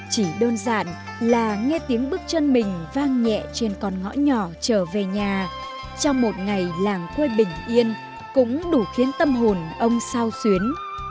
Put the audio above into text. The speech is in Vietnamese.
chỉ đơn giản là nghe tiếng bước chân mình vang nhẹ trên con ngõ nhỏ trở về nhà trong một ngày làng quê bình yên cũng đủ khiến tâm hồn ông sao xuyến